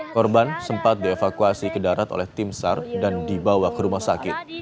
korban sempat dievakuasi ke darat oleh tim sar dan dibawa ke rumah sakit